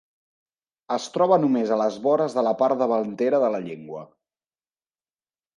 Es troba només a les vores de la part davantera de la llengua.